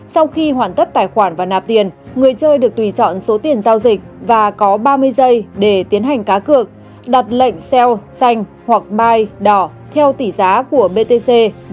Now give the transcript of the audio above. sau khi hoàn tất tài khoản và nạp tiền người chơi được tùy chọn số tiền giao dịch và có ba mươi giây để tiến hành cá cược đặt lệnh xeo xanh hoặc mai đỏ theo tỷ giá của btc